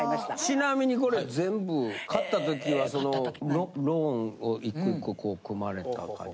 ちなみにこれ全部買ったときはローンを１個１個組まれた感じ。